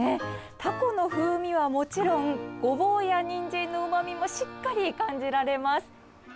タコの風味はもちろん、ゴボウやニンジンのうまみもしっかり感じられます。